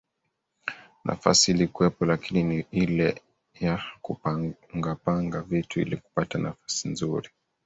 Nafasi ilikuwepo lakini ni ile ya kupangapanga vitu ili kupata nafasi nzuri